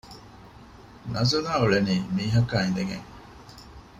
ނަޒުލާ އުޅެނީ މީހަކާ އިނދެގެން